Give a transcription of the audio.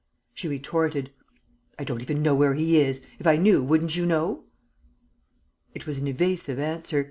She retorted: "I don't even know where he is. If I knew, wouldn't you know?" It was an evasive answer.